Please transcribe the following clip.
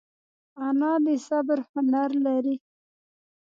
انا د صبر هنر لري